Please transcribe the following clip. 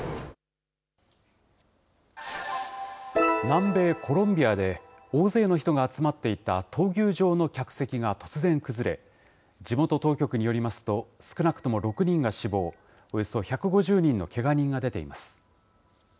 南米コロンビアで、大勢の人が集まっていた闘牛場の客席が突然崩れ、地元当局によりますと、少なくとも６人が死亡、およそ１５０人のけが人が出ています。